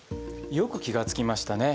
よく気が付きましたね。